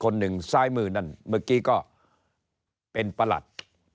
หนึ่งซ้ายมือนั่นเมื่อกี้ก็เป็นประหลัด